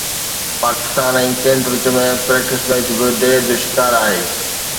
Pakistan ۽ Kent وچ ۾ practice match به دير جو شڪار آهي